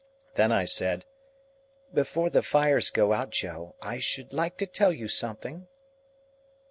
Then I said, "Before the fire goes out, Joe, I should like to tell you something."